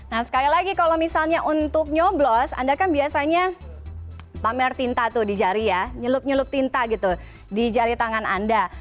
nah sekali lagi kalau misalnya untuk nyoblos anda kan biasanya pamer tinta tuh di jari ya nyelup nyelup tinta gitu di jari tangan anda